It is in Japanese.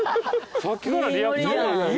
さっきからリアクションが。